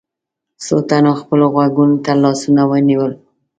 څو تنو خپلو غوږونو ته لاسونه ونيول.